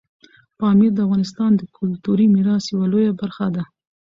پامیر د افغانستان د کلتوري میراث یوه لویه برخه ده.